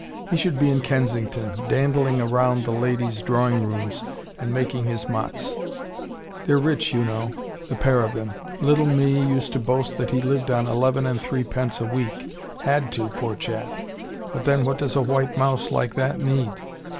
He should be in Kensington, dandling round the ladies' drawing rooms and making his mots. They're rich, you know, the pair of them. Little Mee used to boast that he lived on eleven and three pence a week. Had to, poor chap. But then what does a white mouse like that need?